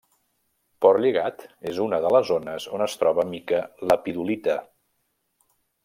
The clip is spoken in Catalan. Portlligat és una de les zones on es troba mica lepidolita.